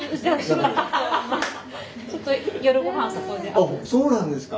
あそうなんですか。